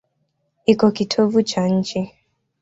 Iko kitovu cha nchi.